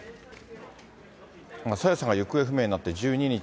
朝芽さんが行方不明になって１２日。